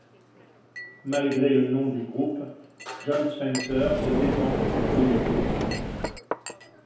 Malgré le nom du groupe, Jon Spencer se défend de jouer du blues.